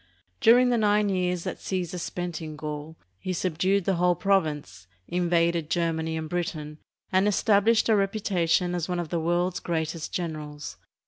During the nine years that Caesar spent in Gaul he sub dued the whole province, invaded Germany and Britain, and established a reputation as one of the world's greatest generals.